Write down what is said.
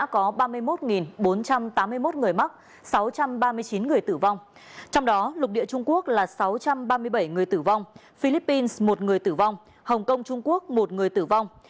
có sáu trăm ba mươi bảy người tử vong philippines một người tử vong hồng kông trung quốc một người tử vong